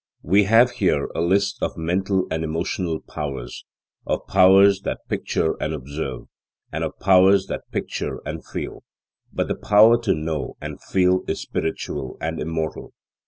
We have here a list of mental and emotional powers; of powers that picture and observe, and of powers that picture and feel. But the power to know and feel is spiritual and immortal.